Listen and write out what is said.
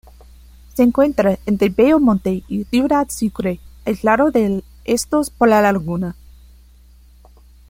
Se encuentra entre Bello Monte y Ciudad Sucre, aislado de estos por la laguna.